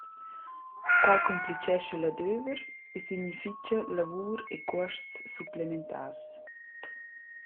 Quai cumplichescha l’adöver e significha lavur e cuosts supplementars.